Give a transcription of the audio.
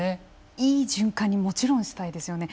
いい循環にもちろんしたいですよね。